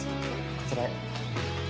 こちらへ。